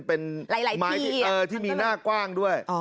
หลายที่อีกนะครับมันต้องเป็นที่มีหน้ากว้างด้วย